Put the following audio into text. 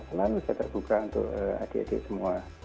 selalu saya terbuka untuk adik adik semua